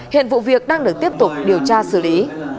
hiện vụ việc đang được tiếp tục điều tra xử lý